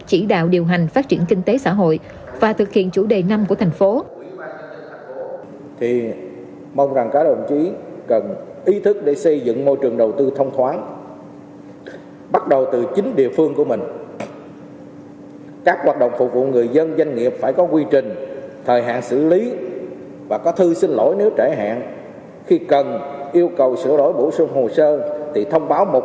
chỉ đạo điều hành phát triển kinh tế xã hội và thực hiện chủ đề năm của thành phố